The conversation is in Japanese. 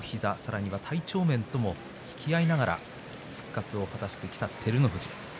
両膝さらに体調の面でも向き合いながら復活を果たしてきた照ノ富士です。